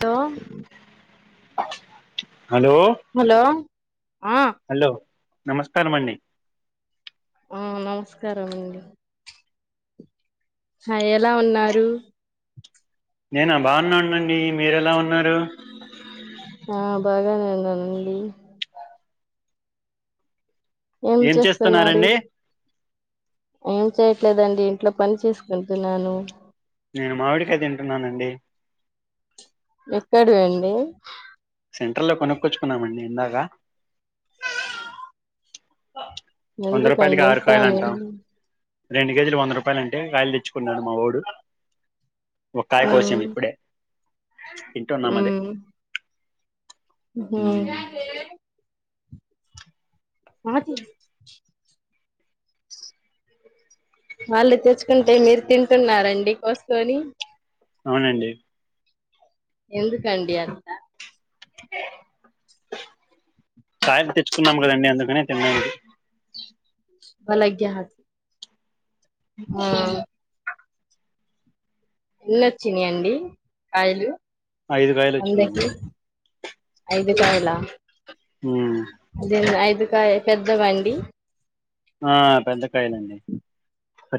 Hello hello hello ఆ hello నమస్కారం అండి ఆ నమస్కారం అండి ఆ ఎలా ఉన్నారు నేనా బాగున్నానునండి మీరెలా ఉన్నారు ఆ బాగానే ఉన్నానండి ఏం చేస్తున్నారు ఏం చేయట్లేదండి ఇంట్లో పని చేసుకుంటున్నాను నేను మామిడికాయ తింటున్నానండి ఎక్కడవండి సెంటర్ లో కొనుక్కొచ్చుకున్నామండి ఇందగా బ వంద నిది రూపాయలకి ఆరు కాయలు కడింటాను అంటాం [unintelligible] రెండు కేజీలు వంద రూపాయలు అంటే కాయలు తెచ్చుకున్నాడు మావోడు ఒక కాయ కోసం ఉమ్ ఇప్పుడే తింటున్నాం అదే మ్మ్ హ మహతి వాళ్ళు తెచ్చుకుంటే మీరు తింటున్నారండి కోసుకొని అవునండి ఎందుకండి అట్ల కాయలు తెచ్చుకున్నాం కదండి అందుకనే [unintelligible] [inaudible] ఆ ఎన్ని వచ్చినయండి కాయలు ఐదు గాయలు వచ్చినాయండి ఐదుకాయల మ్మ్ అదే ఐదు [unintelligible] పెద్దవండి ఆ పెద్దకాయలాండి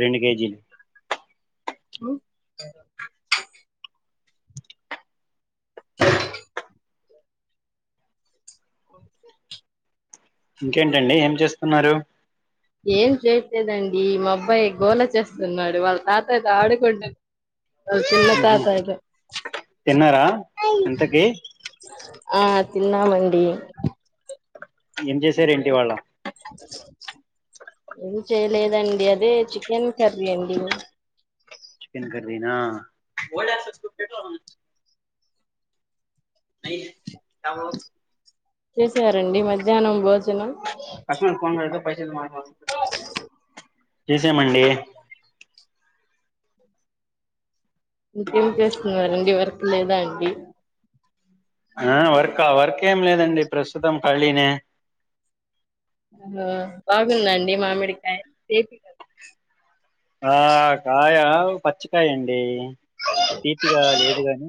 రెండు కేజీలు ఇంకేంటండి ఏం చేస్తున్నారు ఏం చేయట్లేదండి, మా అబ్బాయి గోళ చేస్తున్నాడు వాళ్ళ తాతయతో ఆడుకుంటు వాళ్ళ చిన్న మ్మ్ హు తాతయ్యతో తిన్నారా ఇంతకి ఆ తిన్నామండి ఏం చేసారు ఏంటి ఇవాళ ఏమి చేయలేదండి అదే చికెన్ కర్రి అండి చికెన్ కర్రీనా ఆవు చేసారండి మధ్యానం భోజనం చేసామండి ఇంకేం చేస్తున్నారండి వర్క్ లేదా అండి ఆ వర్క్ వర్క్ ఏం లేదండి ప్రస్తుతం ఖాళీనే ఆ బాగుందండి మామిడికాయ టెస్ట్ ఆ కాయ పచ్చికయ అండి తీపిగా లేదు గాని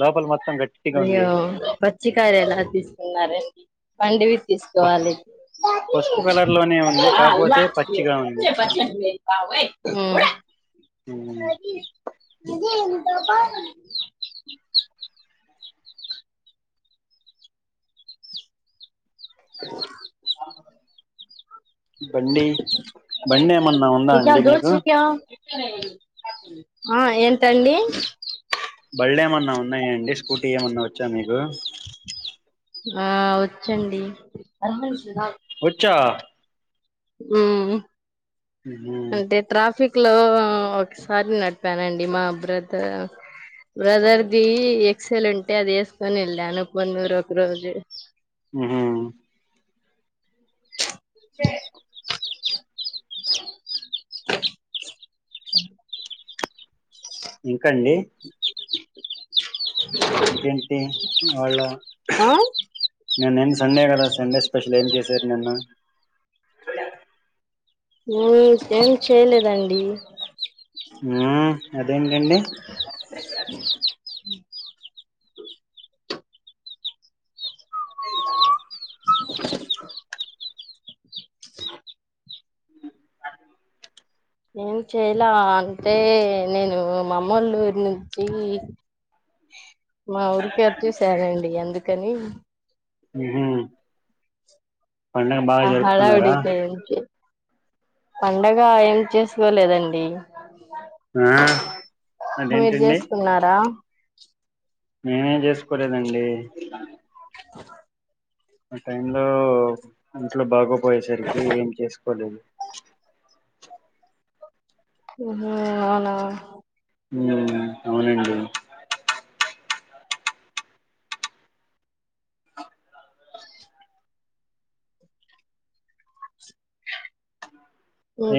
లోపల మొత్తం గట్టిగా ఉంది అయ్యో పచ్చికాయా ఎలా తీసుకున్నారండి పండవి తీసుకోవాలి పసుపు కలర్ లోనే ఉంది కాపోతే పచ్చిగా ఉంది బండి బండి ఏమన్నా ఉందా అండి మీకు ఆ ఏంటండీ బండేమన్నా ఉ బన్ ఉన్నాయా అండి స్కూటీ ఏమన్నా వచ్చా మీకు ఆ వచ్చండి వచ్చా మ్ ఉహు అంటే ట్రాఫిక్ లో ఒకసారి నడిపానండి, మా బ్రదర్ బ్రదర్దిి ఎక్సల్ ఉంటే అది వేసుకొని వెళ్ళాను కొ నూరు ఒక రోజు మ్ ఇంకండి [inaudible] ఇంకేంటి వాళ్ళ ఆ నేను సండే కదా సండే స్పెషల్ ఏం చేసారు నిన్న ఏం చేయలేదండి ఊ అదేం ంటి [inaudible] [inaudible] ఏం చేయాల అంటే నేను మా అమ్మ వాళ్ళ ఊరు నుంచి మా ఊరికె వచేసనండి అందుకని ఉహు పండగ బాగా ఆ హడావిడి జరుపుకున్నారా పండగ ఏం చేసుకోలేదండి ఆ మీరు అదేంటండి చేసుకున్నారా నేనేం చేసుకోలేదండి [inaudible] ఆ టైం లో ఇంట్లో బాగో పోయేసరికి ఏం చేసుకోలేదు [inaudible] ఉహు అవునా ఉం అవునండి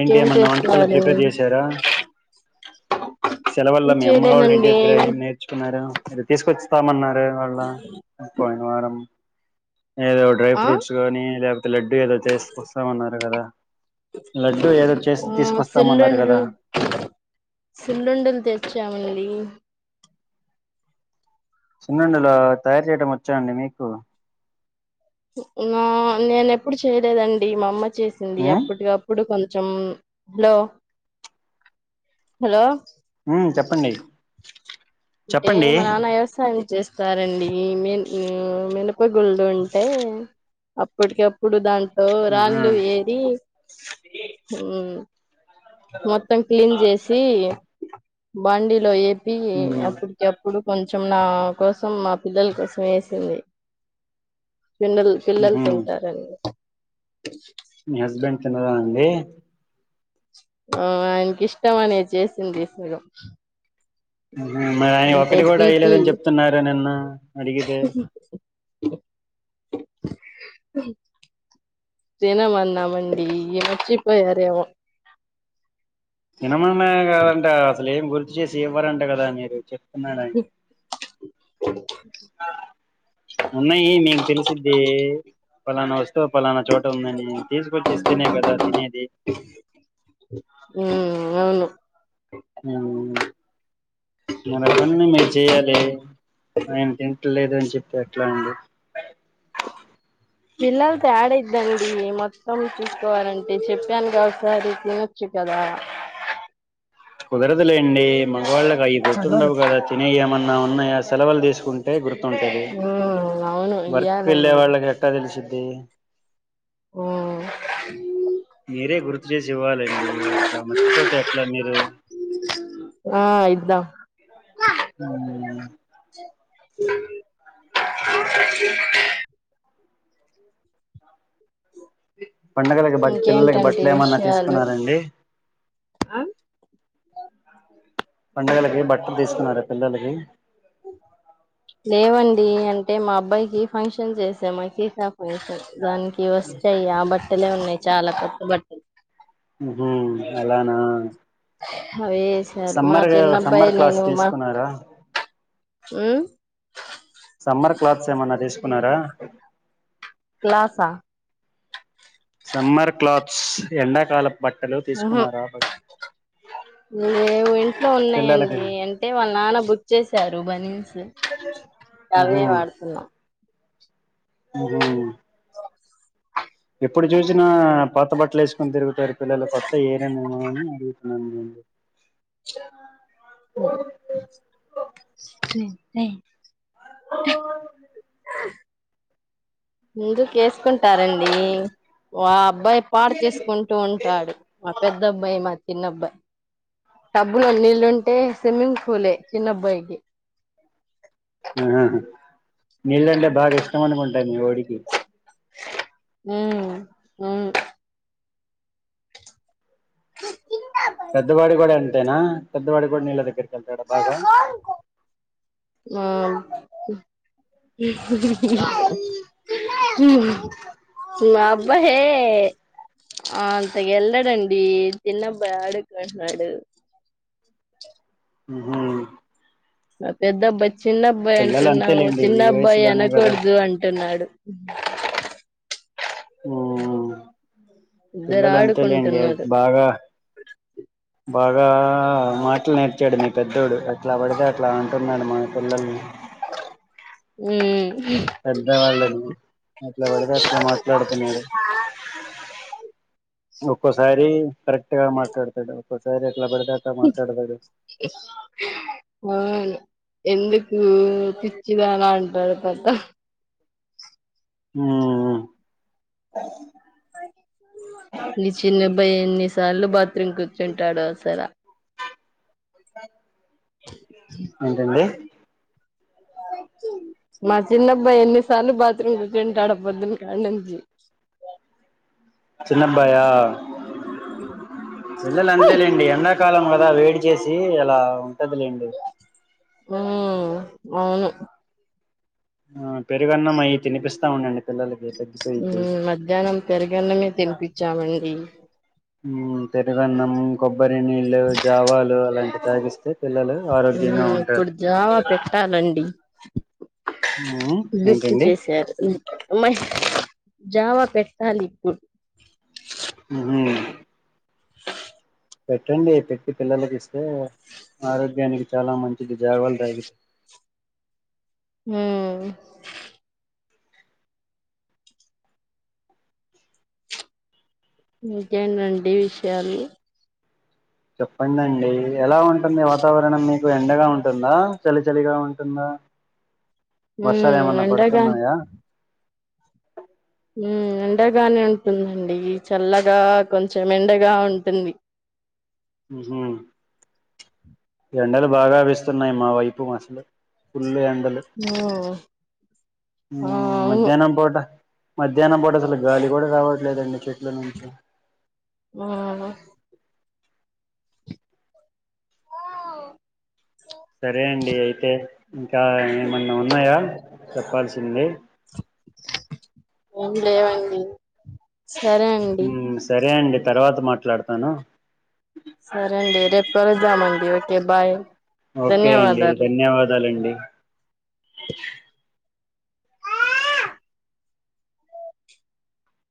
ఏంటి ఏమన్నా వంటకల్లో చేస్తున్నారు ప్రిపేర్ చేశారా సెలవుల్ల ఏం మీ అమ్మ వాళ్ళ ఇంటి చేయలేదండి దగ్గర ఏం నేర్చుకున్నారు ఏదో తీసుకొచ్చామన్నా వళ పోయిన వారం ఏదో డ్రై ఆ ఫ్రూట్స్ గానీ లేకపోతే లడ్డూ ఏదో చేసుకోస్తామన్నారు కదా లడ్డు ఏదో చేసి ఆ తీసుకొస్తామన్నారు కదా సిల్లుండలు సిల్లుండలు తెచ్చామండి సున్నుండలు తయారు చేయడం వచ్చా అండి మీకు నా నేన ఎప్పుడు చేయలేదండి మా అమ్మ చేసింది ఆ అప్పటికిప్పుడు కొ చెం హలో హలో ఉం చెప్పండి అంటే చెప్పండి మా నాన్న వ్యవసాయం చేసు స్తారండీ ఈ మి మినప గుళ్లు ఉంటే అప్పటికి అప్పుడు దాం ఆహా రాళ్లు ఏరి మొత్తం క్లీన్ చేసి బండిలో ఏ అ ఉమ్ అప్పటికి అప్పుడు కొంచెం కొంచెం నా కోసం మా పిల్లల కోసం వేసింది పిల్న్నలు పిల్లలు ఉహు తింటారండి మీ హస్బెండ్ తినరండి ఆ ఆయనకి ఇష్టం అని చేసింది సగం మరి ఆయని అంటే ఒకటి కూడా తీపి అయ్యలేదని చెప్తున్నారు నిన్న అడిగితే దినమాన్నామండి ఏచ్చిప్ప యారవ విమమే కాదంటే అసలు ఏం గుర్తు చేసి ఇవ్వారంట కదా మీరు చెప్ప న్నాడయి ఉన్నాయి మీకు తెలిసిది పలానా వస్త ప పలన చోట ఉందని తీసుకొచ్చి ఇస్తేనే కదా తినేది ఉమ్ అవును అ మన పనిని మీరు చెయ్యాలి, ఆయనకి తింట్ లేదు అని చెప్పి ఎట్లా అండి పిల్లల్ త్యాడద్దండి మ చూసుకోవాలంటే చెప్పానుక ఒకసారి తినొచ్చు కదా కుదరదులే అండి మగవాళ్ళకి అవి గుర్తుండవు కదా తినే ఏమన్నా నా ఉన్న సెలవులు తీసుకుంటే గు ఉంటది ఉమ్ అవును వర్క్ వెళ్ళే ఇయ్యాలండి వాళ్ళకి ఎట్టా తెలిసి డి మ్ మీరే గుర్తు చేసి ఇవ్వాలండి అట్లా మర్చిపోతే అట్లా మీరు ఆ ఇద్దాం మ్మ్. పండుగలకు బట్ పిల్లలకి ఇంకేంటండి బట్టలు ఏమన్నా విషయాలు తీసుకున్నారండి ఆ పండుగలకి బట్టలు తీసుకున్నారా పిల్లలకి లేవండి అంటే మా అబ్బాయికి ఫంక్షన్ చేసా మా [unintelligible] దానికి వచ్చాయి ఆ బట్టలే ఉన్నాయి చాలా కర్ష్ట పట్టది మహు అలానా అవేసారు మా సమ్మర్ చిన్నబ్బాయి సమ్మర్ క్లాస్ నేను మా తీసుకున్నారా సమ్మర్ క్లాత్స్ ఏమన్నా తీసుకున్నారా? క్లాసా సమ్మర్ క్లాత్స్ ఎండాకాలం [unintelligible] ఇంట్లో ఉన్నాయండి పిల్లలకి అంటే వాళ్ళ నాన్న బుక్ చేశారు బానిన్స్ అవే వాడుతున్నాం. ఉహ్ ఉమ్ ఎప్పుడు చూసినా పాత్త బట్టలు వేసుకొని తిరుగుతారు పిల్లలు కొత్త ఏరేనేమో అని ఉమ్ ఉమ్ [unintelligible] మీరు కేస్ కుంటారండి ఆ అబ్బాయి పాడు చేసుకుంటూ ఉంటాడు మా పెద్ద అబ్బాయి మ చిన్నబ్బాయి డబ్బులో నీళ్ళుంటే స్విమ్మింగ్ పూలే చిన్నబ్బాయికి ఉమ్ ఉమ్ నీళ్ళంటే బాగా ఇష్టం అనుకుంటా మీఓడికి. హ్మ్మ్ హ్మ్మ్ పెద్దవాడి కూడా అన్ అంతేనా పేద్దవాడి కూడా నీళ్ల దగ్గరికి పెద్దడు బాగా ఆ మా అబ్బాయి హే అంత వెళ్ళాడండి చిన్నబ్బాయి ఆడుకుంటున్నాడు. హ్మ్మ్ మా పెద్ద అబ్బాయి చిన్న అబ్బాయి అంత పిల్లలు ఉన్న కూడా అంతేలేండి చిన్న ఈ అబ్బాయి వయసులోనే కదా అనకూడదు అంటున్నాడు. అ ఉమ్ ఇద్దరు పిల్లలు అంతే లేండి ఆడుకుంటున్నారు బాగా బాగా మాటలు నేర్చాడు మీ పెద్దోడు ఎట్లా పడితే అట్లా అంటున్నాడు మా పిల్లల్ని. హ్మ్మ్ పెద్దవాళ్ళని ఎట్లా పడితే అట్లా మాట్లాడుతున్నాడు. ఒక్కొసారి కరెట్గా మాట్లాతాడు ఒక్కోసారి ఎట్లా పడితే అట్లా మాట్లాడతాడు మా ఓడు ఎందుక్ ఎ పిచ్చిదాన అంటాడు పెద్ద హ్మ్మ్ బై ఎన్ని సార్లు బాత్ ట్రింగ్ కూర్చుంటాడు అసల ఏంటి అండి మా చిన్నబ్బాయి ఎన్నిసార్లు బాత్రూమ్ కుర్చుంటాడో పోదున్నకానుంచి చిన్నబ్బాయా పిల్లలు అంతేలేండి ఎలా ఎండాకాలం కదా వేడి చేసి ఇలా ఉ అవును ఆ పెరుగన్నం అయి తినిపిస్తా ఉండండి పిల్లలకి తగ్గిపోయిద్ది మధ్యాహ్నం పెరగన్నమే తినిపించామండి పెరుగన్నం కొ కొబ్బరి నీళ్లు జావాలు అలాంటి తాగిస్తే పిల్లలు ఆరోగ్యంగా ఉంటారు ఇప్పుడు జావా పెట్టాలండి [unintelligible] ఉమ్ [inaudible] గుర్తు ఏంటండి చేశారు మ జావా పెట్టాలి ఇప్పుడు అ [unintelligible] [inaudible] పెట్టండి పెట్టి పిల్లలకి ఇస్తే ఆరోగ్యానికి చాలా మంచిది జాగవలు తగితే ఉం ఇంకేనండి విషయాలు చెప్పండండి ఎలా ఉంటుంది వాతావరణం మీకు ఎండగా ఉంటుందా చలి చలిగా ఉంటుందా ఉ వర్షాలు ఏమన్నా ఎండగా పడుతున్నాయా ఎండగానే ఉంటుందండి చల్లగా కొంచెం ఎండగా ఉంటుంది ఉహు ఎండలు బాగావేస్తున్నాయి మా వైపు అసలు ఫుల్ ఎండ ఆ అవును మధ్యాహ్నం పూట మధ్యాహ్నం పూట అసలు గాలి కూడా రావట్లేదండి చెట్ల నుంచి ఆ సరే అండి అయితే ఇంకా ఏమన్నా ఉన్నాయా చెప్పాల్సింది ఏం లేవండి సరే అండి ఉం సరే అండి తర్వాత మాట్లాడతాను సరే అండి రేపుకలుద్దామండి ఓకే ఓకే బయ్ ఓకే అండి ధన్యవాదాలండి